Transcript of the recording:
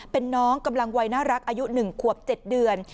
เป็นน้องกำลังวัยน่ารักอายุ๑ขวบ๗เดือน